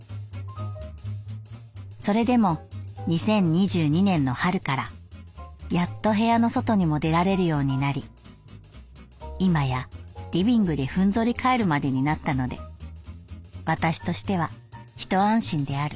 「それでも二〇二二年の春からやっと部屋の外にも出られるようになり今やリビングでふんぞり返るまでになったので私としては一安心である」。